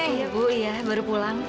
iya bu ya baru pulang